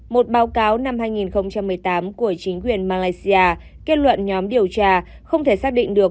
một báo cáo năm hai nghìn một mươi tám của chính quyền malaysia kết luận nhóm điều tra không thể xác định được